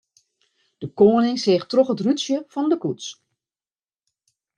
De koaning seach troch it rútsje fan de koets.